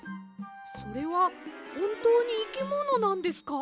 それはほんとうにいきものなんですか？